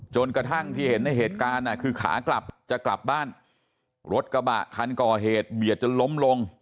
จนกระทั่งที่เห็นในเหตุการณ์คือขากลับจะกลับบ้านรถกระบะคันก่อเหตุเบียดจนล้มลง